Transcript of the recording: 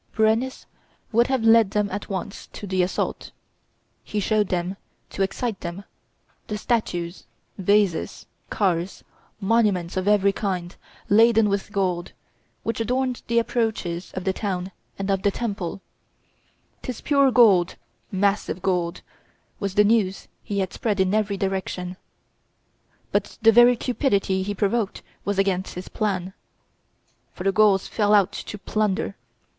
Brennus would have led them at once to the assault. He showed them, to excite them, the statues, vases, cars, monuments of every kind, laden with gold, which adorned the approaches of the town and of the temple: "'Tis pure gold massive gold," was the news he had spread in every direction. But the very cupidity he provoked was against his plan; for the Gauls fell out to plunder.